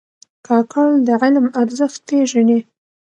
کاکړ د علم ارزښت پېژني.